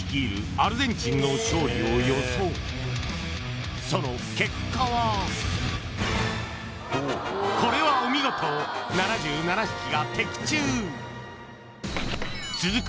アルゼンチンの勝利を予想その結果はこれはお見事７７匹が的中続く